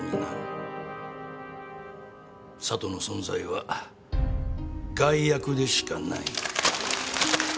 佐都の存在は害悪でしかない。